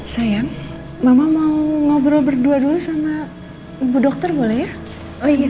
sayang mama mau ngobrol berdua dulu sama ibu dokter boleh ya